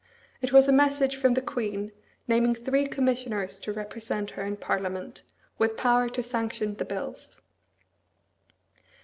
It was a message from the Queen, naming three commissioners to represent her in Parliament, with power to sanction the bills.